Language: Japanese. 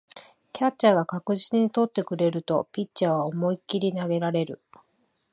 キャッチャーが確実に捕ってくれるとピッチャーは思いっきり投げられる